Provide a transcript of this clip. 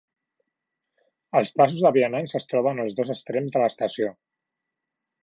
Els passos de vianants es troben als dos extrems de l'estació.